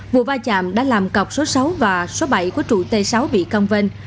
vụ va chạm đã làm cọc số sáu và số bảy của trụ t sáu bị công vên